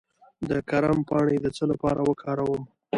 د کرم پاڼې د څه لپاره وکاروم؟